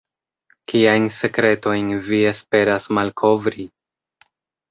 Kiajn sekretojn vi esperas malkovri?